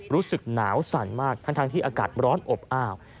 รู้สึกหนาวสั่นมากทั้งที่อากาศร้อนอบอ้าว